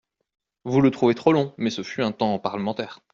Vous le trouvez trop long mais ce fut un temps parlementaire.